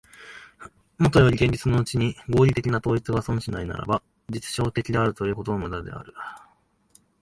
もとより現実のうちに合理的な統一が存しないならば、実証的であるということも無駄である。